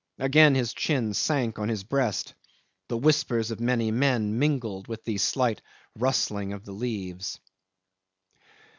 Again his chin sank on his breast. The whispers of many men mingled with the slight rustling of the leaves.